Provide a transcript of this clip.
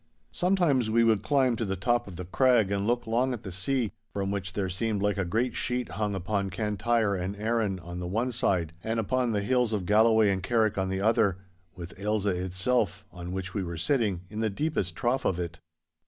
Sometimes we would climb to the top of the crag and look long at the sea, which from there seemed like a great sheet hung upon Cantyre and Arran on the one side and upon the hills of Galloway and Carrick on the other—with Ailsa itself, on which we were sitting, in the deepest trough of it.